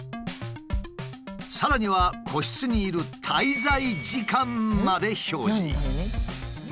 さらには個室にいる滞在時間まで表示。